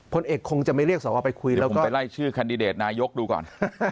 พลเอกคงจะไม่เรียกสวไปคุยแล้วผมไปไล่ชื่อแคนดิเดตนายกดูก่อน